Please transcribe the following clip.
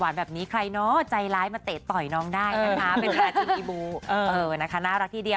อันนี้ก็รอติดตามนะคะ